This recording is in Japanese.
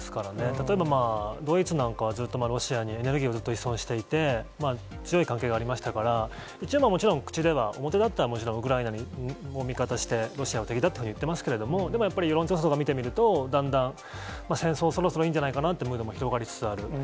例えばドイツなんかは、ずっとロシアにエネルギーをずっと依存していて、強い関係がありましたから、口では表ではもちろん、ウクライナに味方して、ロシアは敵だというふうに言ってますけど、でもやっぱり、世論調査とか見てみると、だんだん戦争、そろそろいいんじゃないかなというムードが広まりつある。